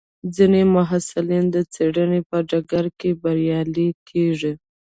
ځینې محصلین د څېړنې په ډګر کې بریالي کېږي.